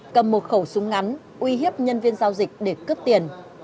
cầm một khẩu súng ngắn uy hiếp nhân viên giao dịch để cướp tiền